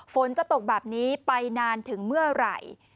ฝนจะตกแบบนี้ไปนานถึงเมื่อไหร่